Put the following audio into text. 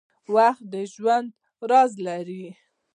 • وخت د ژوند راز لري.